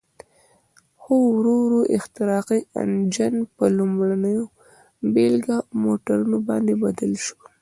خو ورو ورو احتراقي انجن په لومړنیو بېلګه موټرونو باندې بدل شو.